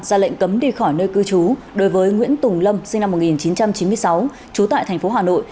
ra lệnh cấm đi khỏi nơi cư trú đối với nguyễn tùng lâm sinh năm một nghìn chín trăm chín mươi sáu trú tại thành phố hà nội